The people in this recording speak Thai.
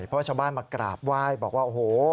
เพราะชาวบ้านมากราบไหว้บอกว่าโอ้โห